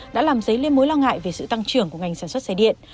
đã làm dấy lên mối lo ngại về sự tăng trưởng của ngành sản xuất xe điện